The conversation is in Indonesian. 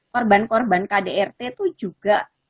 korban korban kdrt itu juga